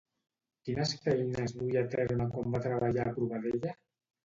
Quines feines duia a terme quan va treballar a Provedella?